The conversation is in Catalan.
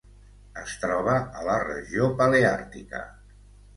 Es troba a la regió paleàrtica.